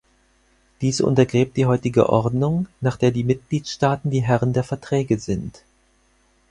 Dies untergräbt die heutige Ordnung, nach der die Mitgliedstaaten die Herren der Verträge sind.